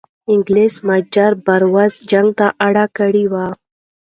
انګلیس میجر بروز جنگ ته اړ کړی وو.